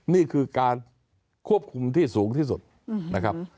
นี่คือการควบคุมที่สูงที่สุดนะครับ